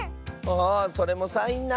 あそれもサインなんだ。